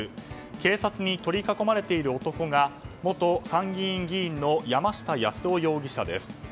警察に取り囲まれている男が元参議院議員の山下八洲夫容疑者です。